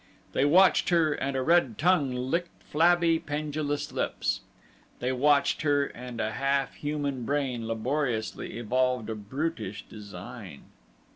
They watched her, and a red tongue licked flabby, pendulous lips. They watched her, and a half human brain laboriously evolved a brutish design.